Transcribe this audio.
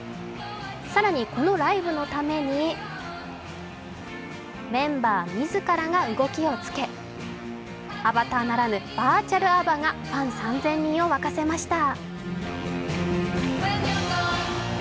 更に、このライブのためにメンバー自らが動きをつけ、アバターならぬ、バーチャルＡＢＢＡがファン３０００人を沸かせました。